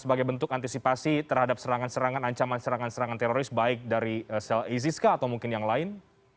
sebagai bentuk antisipasi terhadap serangan serangan ancaman serangan serangan teroris baik dari sel isis kah atau mungkin yang lain